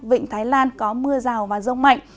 vịnh thái lan có mưa rào và rông mạnh